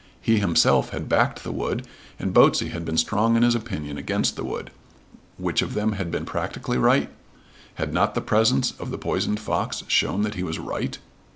He himself had backed the wood, and Botsey had been strong in his opinion against the wood. Which of them had been practically right? Had not the presence of the poisoned fox shown that he was right?